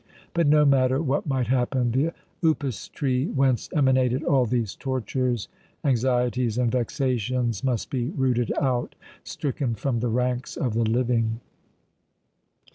But, no matter what might happen, the upas tree whence emanated all these tortures, anxieties, and vexations, must be rooted out stricken from the ranks of the living.